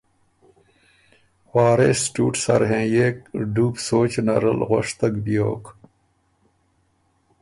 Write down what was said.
وارث ټُوټ سر هېنيېک ډُوب سوچ نر ال غؤشتک بیوک،